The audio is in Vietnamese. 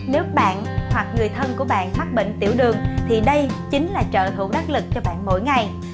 nếu bạn hoặc người thân của bạn mắc bệnh tiểu đường thì đây chính là trợ thủ đắc lực cho bạn mỗi ngày